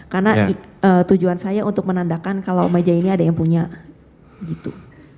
karena tujuan saya untuk menandakan kalau meja ini ada yang punya gitu